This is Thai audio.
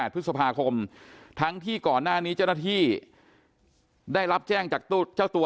พฤษภาคมทั้งที่ก่อนหน้านี้เจ้าหน้าที่ได้รับแจ้งจากเจ้าตัว